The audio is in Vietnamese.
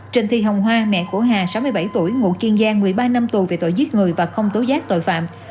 trịnh thị hồng hoa mẹ của hà sáu mươi bảy tuổi ngụ kiên giang một mươi ba năm tù về tội giết người và không tố giác tội phạm